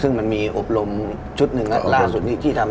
ซึ่งมันมีอบรมชุดหนึ่งล่าสุดนี้ที่ทำ